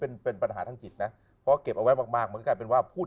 เป็นเป็นปัญหาทางจิตนะเพราะเก็บเอาไว้มากมากมันก็กลายเป็นว่าพูด